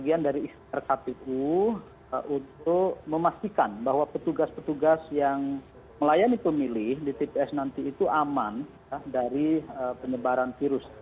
ini dari rkpu untuk memastikan bahwa petugas petugas yang melayani pemilih di pps nanti itu aman dari penyebaran virus